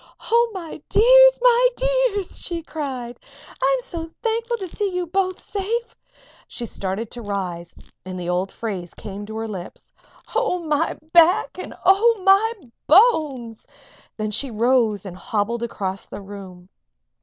"Oh, my dears! my dears!" she cried. "I am so thankful to see you both safe!" She started to rise, and the old phrase came to her lips: "Oh, my back and oh, my bones!" Then she rose and hobbled across the room.